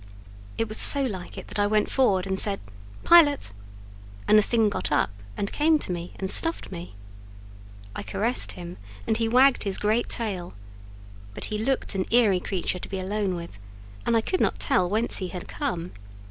It was so like it that I went forward and said—"Pilot," and the thing got up and came to me and snuffed me. I caressed him, and he wagged his great tail; but he looked an eerie creature to be alone with, and I could not tell whence he had come.